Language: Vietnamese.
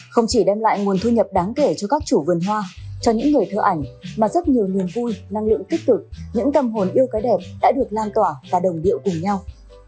không chỉ đem lại nguồn thu nhập đáng kể cho các chủ vườn hoa cho những người thơ ảnh mà rất nhiều niềm vui năng lượng tích cực những tâm hồn yêu cái đẹp đã được lan tỏa và đồng điệu cùng nhau